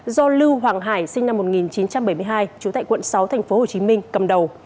do lưu hoàng hải sinh năm một nghìn chín trăm bảy mươi hai trú tại quận sáu tp hcm cầm đầu